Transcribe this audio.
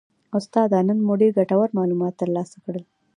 استاده نن مو ډیر ګټور معلومات ترلاسه کړل